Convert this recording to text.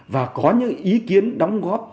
và có những ý kiến đóng góp